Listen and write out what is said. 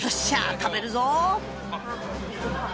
食べるぞ！